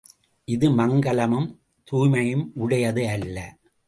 இது மங்கலமும் தூய்மையும் உடையது அல்ல!